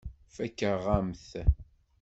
Fakeɣ-am-t.